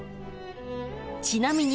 ［ちなみに］